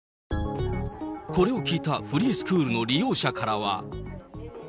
これを聞いたフリースクールの利用者からは。